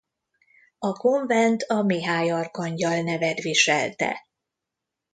A konvent a Mihály arkangyal nevet viselte.